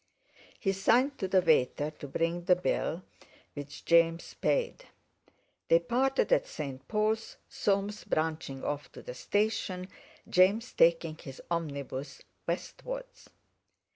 He signed to the waiter to bring the bill, which James paid. They parted at St. Paul's, Soames branching off to the station, James taking his omnibus westwards.